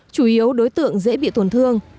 chủ yếu đối tượng dễ bị tổn thương